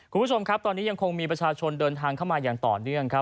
คุณผู้ชมครับตอนนี้ยังคงมีประชาชนเดินทางเข้ามาอย่างต่อเนื่องครับ